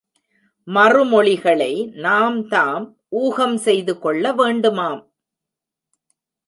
மறுமொழிகளை நாம்தாம் ஊகம் செய்து கொள்ளவேண்டுமாம்!